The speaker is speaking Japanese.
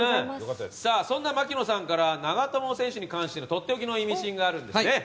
そんな槙野さんから長友選手についてのとっておきのイミシンがあるんですね。